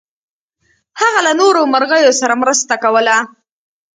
هغه له نورو مرغیو سره مرسته کوله.